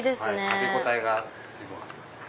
食べ応えが十分あります。